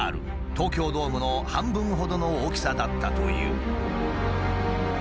東京ドームの半分ほどの大きさだったという。